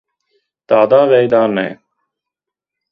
Tādā veidā ne.